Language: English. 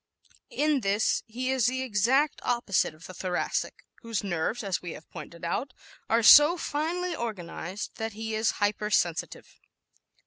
In this he is the exact opposite of the Thoracic whose nerves, as we have pointed out, are so finely organized that he is hypersensitive.